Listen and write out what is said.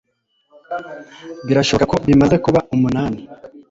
Birashoboka ko bimaze kuba umunani